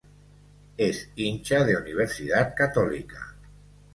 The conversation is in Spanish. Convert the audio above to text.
Es hincha de Universidad Católica.